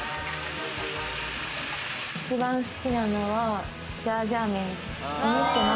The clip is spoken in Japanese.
一番好きなのはジャージャー麺です。